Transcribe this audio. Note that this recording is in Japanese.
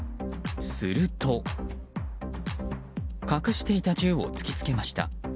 すると、隠していた銃を突き付けました。